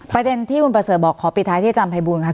ประเด็นที่คุณประเสริฐบอกขอปิดท้ายที่อาจารย์ภัยบูลค่ะ